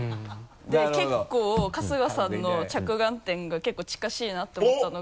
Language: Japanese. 結構春日さんの着眼点が結構近しいなと思ったのが。